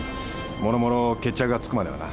もろもろ決着がつくまではな。